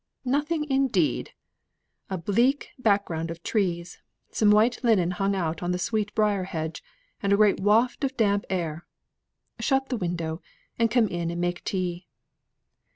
"Nothing indeed! A bleak back ground of trees, some white linen hung out on the sweet briar hedge, and a great waft of damp air. Shut the window, and come in and make tea."